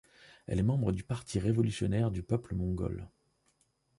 Elle est membre du Parti révolutionnaire du peuple mongol.